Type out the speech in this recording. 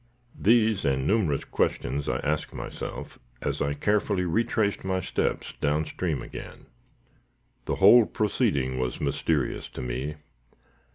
These and numerous questions, I asked myself, as I carefully retraced my steps down stream again. The whole proceeding was mysterious to me.